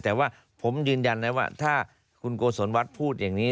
แต่ว่าผมยืนยันนะว่าถ้าคุณโกศลวัฒน์พูดอย่างนี้